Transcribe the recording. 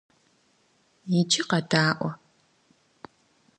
Иджы къэдаӀуэ!